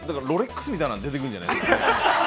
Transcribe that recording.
ロレックスみたいなの出てくるんじゃないですか。